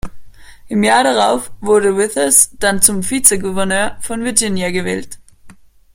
Im Jahr darauf wurde Withers dann zum Vizegouverneur von Virginia gewählt.